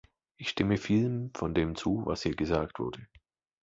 Ich stimme vielem von dem zu, was hier gesagt wurde.